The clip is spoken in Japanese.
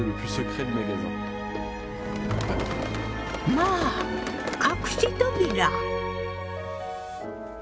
まあ隠し扉！？